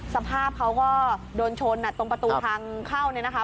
สภาพเขาก็โดนชนตรงประตูทางเข้าเนี่ยนะคะ